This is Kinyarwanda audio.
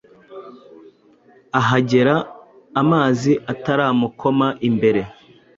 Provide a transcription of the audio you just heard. ahagera amazi ataramukoma imbere.